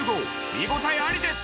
見応えありです。